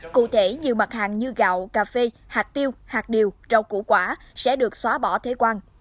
cụ thể nhiều mặt hàng như gạo cà phê hạt tiêu hạt điều rau củ quả sẽ được xóa bỏ thế quan